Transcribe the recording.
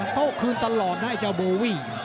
โต๊ะคืนตลอดนะไอ้เจ้าโบวี่